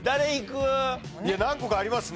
何個かありますね。